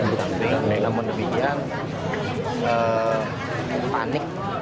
yang berantem yang menepi yang panik